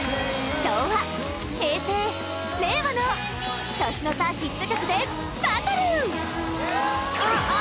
昭和平成令和の年の差ヒット曲でバトル！